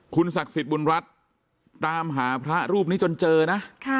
คุณศักดิ์สิทธิ์บุญรัฐตามหาพระรูปนี้จนเจอนะ